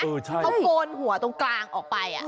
ครับใช่เขากลโกนหัวตรงกลางออกไป